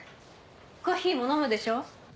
コッヒーも飲むでしょ？